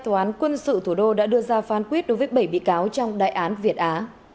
tòa án quân sự thủ đô đã đưa ra phán quyết đối với bảy bị cáo trong đại án việt á